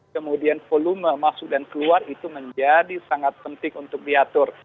kemudian volume masuk dan keluar itu menjadi sangat penting untuk diatur